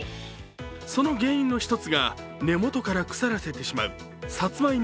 その原因の一つが根元から腐らせてしまうサツマイモ